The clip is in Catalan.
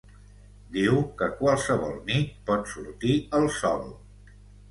Diu que qualsevol nit pot sortir el sol